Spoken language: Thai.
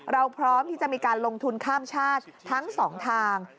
เราพร้อมที่จะมีการลงทุนข้ามชาติทั้งสองทาง